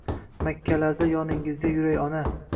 Makkalarda yoningizda yuray ona!